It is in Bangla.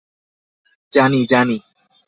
জানি, জানি।